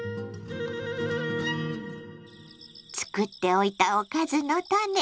作っておいた「おかずのタネ」